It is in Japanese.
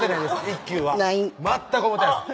一休は全く思ってないです